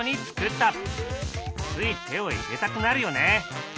つい手を入れたくなるよね。